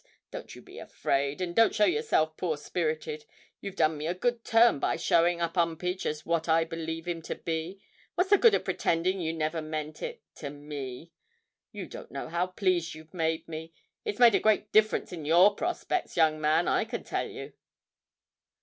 Don't you be afraid, and don't show yourself poor spirited. You've done me a good turn by showing up 'Umpage as what I believe him to be what's the good of pretending you never meant it to me? You don't know how pleased you've made me. It's made a great difference in your prospects, young man, I can tell yer!'